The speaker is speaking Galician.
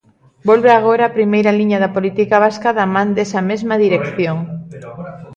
Volve agora a primeira liña da política vasca da man desa mesma dirección.